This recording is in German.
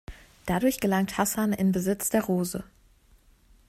Dadurch gelangt Hassan in Besitz der Rose.